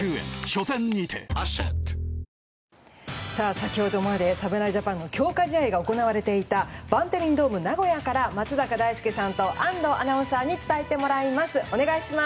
先ほどまで、侍ジャパンの強化試合が行われていたバンテリンドームナゴヤから松坂大輔さんと安藤アナウンサーに伝えてもらいます。